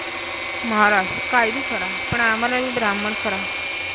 महाराज काय बी करा पण आम्हालाबी ब्राह्मण करा.